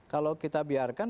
kalau kita biarkan